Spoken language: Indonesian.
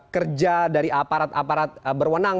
kerja dari aparat aparat berwenang